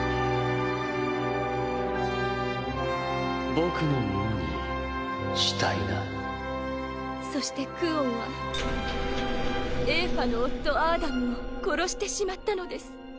僕のものにしたいなそしてクオンはエーファの夫アーダムを殺してしまったのです。